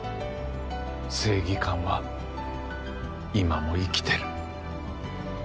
正義感は今も生きてる。